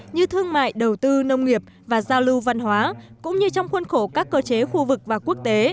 như thương mại đầu tư nông nghiệp và giao lưu văn hóa cũng như trong khuôn khổ các cơ chế khu vực và quốc tế